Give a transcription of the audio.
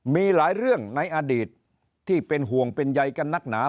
มีหลายเรื่องในอดีตที่เป็นห่วงเป็นใยกันนักหนา